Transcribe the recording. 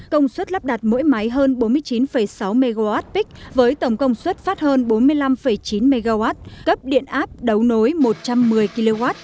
công suất lắp đặt mỗi máy hơn bốn mươi chín sáu mwp với tổng công suất phát hơn bốn mươi năm chín mw cấp điện áp đấu nối một trăm một mươi kw